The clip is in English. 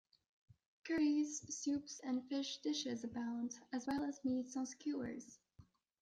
Curries, soups and fish dishes abound, as well as meats on skewers.